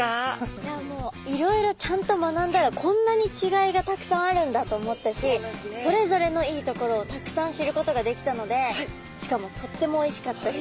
いやもういろいろちゃんと学んだらこんなに違いがたくさんあるんだと思ったしそれぞれのいいところをたくさん知ることができたのでしかもとってもおいしかったし。